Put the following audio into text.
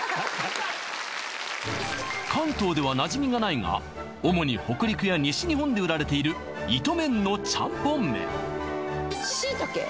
関東ではなじみがないが主に北陸や西日本で売られているイトメンのチャンポンめんしいたけ？